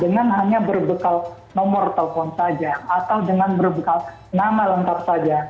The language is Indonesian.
dengan hanya berbekal nomor telepon saja atau dengan berbekal nama lengkap saja